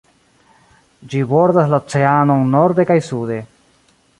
Ĝi bordas la oceanon norde kaj sude.